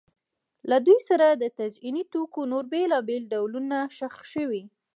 له دوی سره د تزیني توکو نور بېلابېل ډولونه ښخ شوي